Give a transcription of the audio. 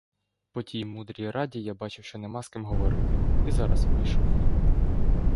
По тій мудрій раді, я бачив, що нема з ким говорити, і зараз вийшов.